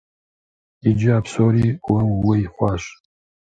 Иджы а псори уэ ууей хъуащ.